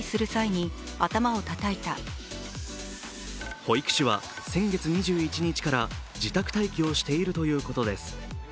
保育士は先月２１日から自宅待機をしているということです。